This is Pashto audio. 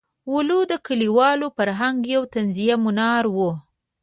ولو د کلیوال فرهنګ یو طنزیه منار وو.